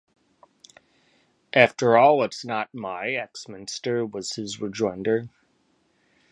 "After all, it's not my Axminster," was his rejoinder.